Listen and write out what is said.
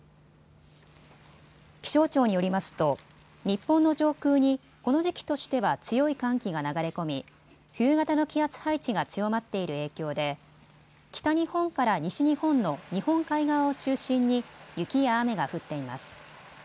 気象庁によりますと日本の上空にこの時期としては強い寒気が流れ込み冬型の気圧配置が強まっている影響で北日本から西日本の日本海側を中心に雪や雨が降っています。